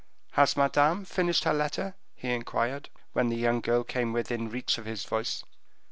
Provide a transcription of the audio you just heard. "Has Madame finished her letter?" he inquired, when the young girl came within reach of his voice.